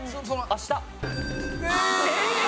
明日。